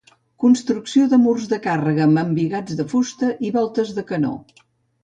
Construcció de murs de càrrega amb embigats de fusta i voltes de canó.